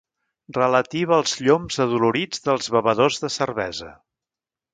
Relativa als lloms adolorits dels bevedors de cervesa.